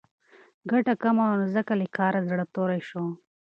ګټه کمه وه نو ځکه یې له کاره زړه توری شو.